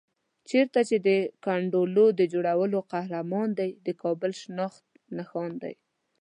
چېرته چې د کنډوالو د جوړولو قهرمان دی، د کابل شناخت نښان دی.